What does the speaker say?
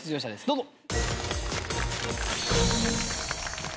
どうぞ。